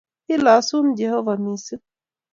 Kilosun. Jehovah. mising'.